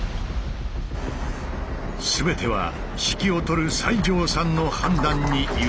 全ては指揮を執る西城さんの判断に委ねられた。